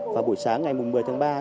và buổi sáng ngày mùa một mươi tháng ba